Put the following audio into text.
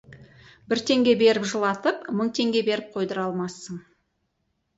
Бір теңге беріп жырлатып, мың теңге беріп қойдыра алмассың.